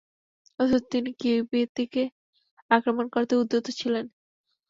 অথচ তিনি কিবতীকে আক্রমণ করতেই উদ্যত ছিলেন।